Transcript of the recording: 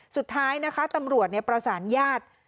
สุดท้ายนะคะตำรวจประสานญาติ